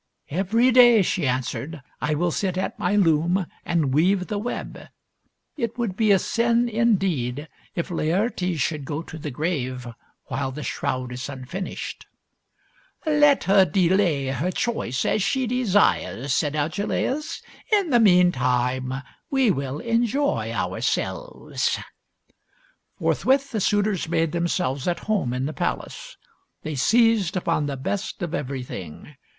" Every day," she answered, " I will sit at my loom and weave the web. It would be a sin, indeed, if Laertes should go to the grave while the shroud is unfinished." THIRTY MORE FAM. STO. — II l62 THIRTY MORE FAMOUS STORIES " Let her delay her choice as she desires," said Agelaus. "In the meantime, we will enjoy our selves." Forthwith the suitors made themselves at home in the palace. They seized upon the best of every thing.